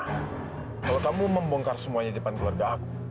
kalau kamu membongkar semuanya di depan keluarga aku